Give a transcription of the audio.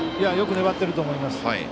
よく粘ってると思います。